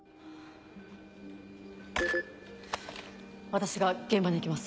私が現場に行きます